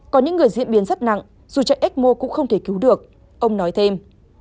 có những người diễn biến rất nặng dù chạy ecmo cũng không thể cứu được ông nói thêm